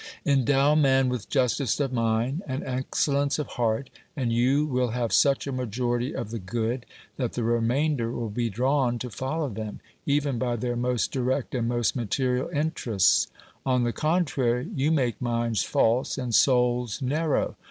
Endow man with justice of mind and excellence of heart, and you will have such a majority of the good that the remainder will be drawn to follow them, even by their most direct and most material interests. On the contrary, you make minds false and souls narrow.